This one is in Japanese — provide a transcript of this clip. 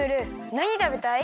なにたべたい？